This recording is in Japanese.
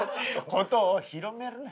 事を広めるな。